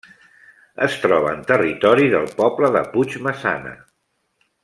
Es troba en territori del poble de Puigmaçana.